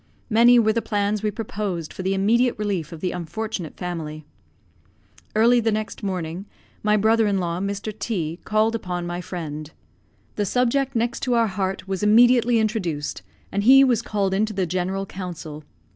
Many were the plans we proposed for the immediate relief of the unfortunate family. Early the next morning, my brother in law, Mr. T , called upon my friend. The subject next to our heart was immediately introduced, and he was called into the general council.